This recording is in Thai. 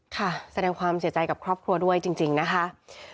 แสดงความเสียใจกับครอบครัวด้วยจริงนะคะ